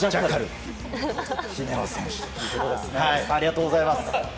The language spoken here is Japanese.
大西さんありがとうございます。